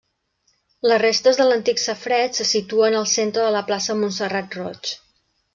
Les restes de l'antic safareig se situen al centre de la plaça Montserrat Roig.